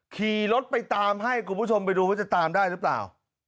ขี่รถไปตามให้คุณผู้ชมไปดูว่าจะตามได้หรือเปล่า